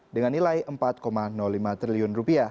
dengan nilai rp empat lima triliun